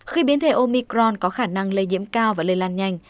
khi biến thể omicron có khả năng lây nhiễm cao và lây lan nhanh